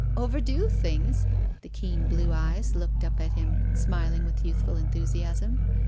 Overdo things I" The keen blue eyes looked up at him smiling with youthful enthusiasm.